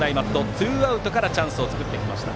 ツーアウトからチャンスを作ってきました。